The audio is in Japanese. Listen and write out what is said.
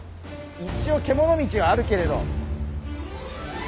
一応けもの道はあるけれど。